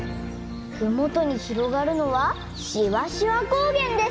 ふもとにひろがるのはしわしわこうげんです！